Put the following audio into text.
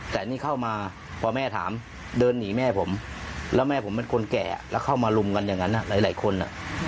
แต่นี่เข้ามาพอแม่ถามเดินหนีแม่ผมแล้วแม่ผมเป็นคนแก่แล้วเข้ามาลุมกันอย่างนั้นหลายคน